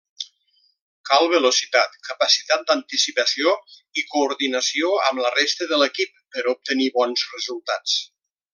Cal velocitat, capacitat d'anticipació i coordinació amb la resta de l'equip per obtenir bons resultats.